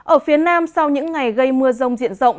ở phía nam sau những ngày gây mưa rông diện rộng